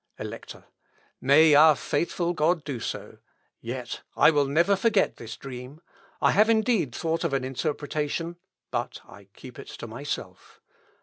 Elector. "May our faithful God do so; yet I will never forget this dream. I have indeed thought of an interpretation, but I keep it to myself.